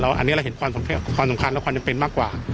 อันนี้เราเห็นความสำคัญและความจำเป็นมากกว่า